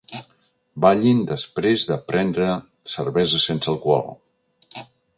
Ballin després de prendre cervesa sense alcohol.